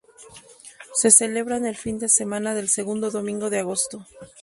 Se celebran el fin de semana del segundo domingo de agosto.